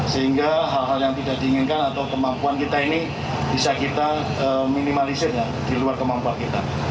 sehingga hal hal yang tidak diinginkan atau kemampuan kita ini bisa kita minimalisir ya di luar kemampuan kita